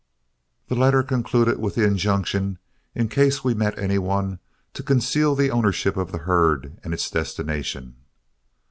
The letter concluded with the injunction, in case we met any one, to conceal the ownership of the herd and its destination.